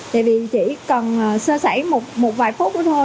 tại vì chỉ cần sơ sảy một vài phút thôi thôi